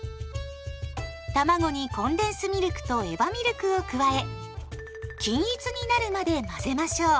たまごにコンデンスミルクとエバミルクを加え均一になるまで混ぜましょう。